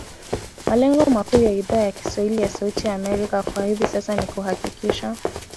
Malengo makuu ya Idhaa ya kiswahili ya Sauti ya Amerika kwa hivi sasa ni kuhakikisha